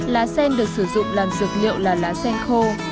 lá sen được sử dụng làm dược liệu là lá sen khô